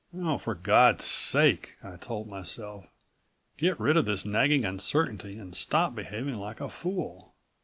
Oh, for God's sake, I told myself, get rid of this nagging uncertainty, and stop behaving like a fool.